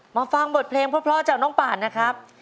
มาฟังบทเพลงเพียบเพร่าจ้าวน้องปานนะครับ